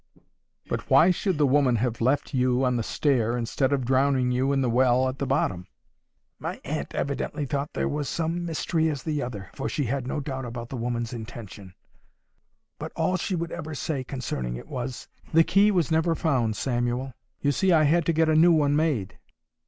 "But why should the woman have left you on the stair, instead of drowning you in the well at the bottom?" "My aunt evidently thought there was some mystery about that as well as the other, for she had no doubt about the woman's intention. But all she would ever say concerning it was, 'The key was never found, Samuel. You see I had to get a new one made.